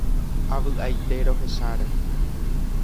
Avy'aite rohecháre.